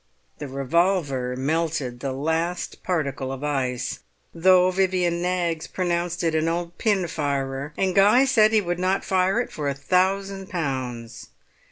The revolver melted the last particle of ice, though Vivian Knaggs pronounced it an old pin firer, and Guy said he would not fire it for a thousand pounds.